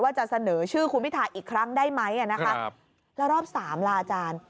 จะเสนอชื่อคุณพิทาอีกครั้งได้ไหมนะคะแล้วรอบสามลาอาจารย์